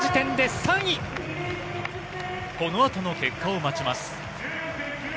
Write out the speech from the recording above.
この後の結果を待ちます。